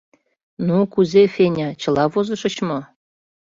— Ну, кузе, Феня, чыла возышыч мо?